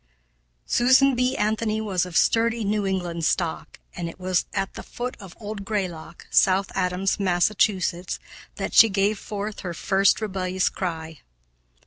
Susan B. Anthony was of sturdy New England stock, and it was at the foot of Old Greylock, South Adams, Mass., that she gave forth her first rebellious cry.